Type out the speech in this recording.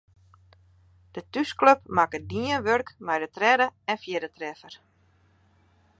De thúsklup makke dien wurk mei de tredde en fjirde treffer.